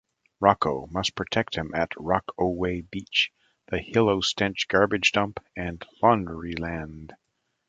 Rocko must protect him at Rock-O-Whey Beach, the Hill-O-Stench garbage dump, and Laundryland.